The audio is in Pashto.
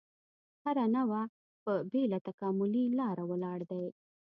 هره نوعه په بېله تکاملي لاره ولاړ دی.